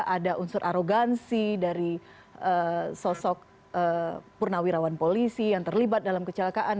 ada unsur arogansi dari sosok purnawirawan polisi yang terlibat dalam kecelakaan